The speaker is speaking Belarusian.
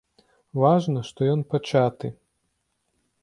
Важна, што ён пачаты.